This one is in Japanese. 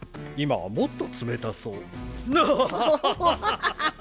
今はもっと冷たそう。